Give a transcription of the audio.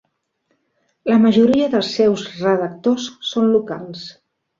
La majoria dels seus redactors són locals.